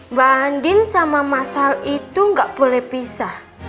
mbak andin sama mas al itu gak boleh pisah